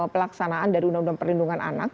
pelaksanaan dari undang undang perlindungan anak